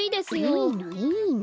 いいのいいの。